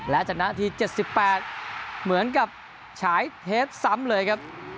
และจากนาที๗๘เหมือนกับฉายเทปซ้ำเลยครับ